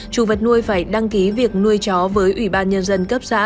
chủ vật nuôi phải đăng ký việc nuôi chó với ủy ban nhân dân cấp xã